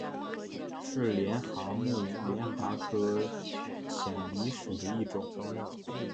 是帘蛤目帘蛤科浅蜊属的一种。